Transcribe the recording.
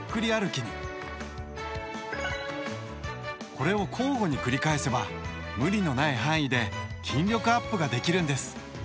これを交互に繰り返せば無理のない範囲で筋力アップができるんです。